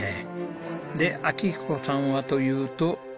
で明彦さんはというと。